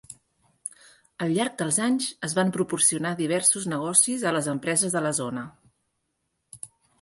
Al llarg dels anys es van proporcionar diversos negocis a les empreses de la zona.